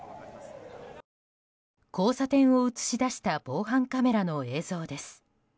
交差点を映し出した防犯カメラの映像です。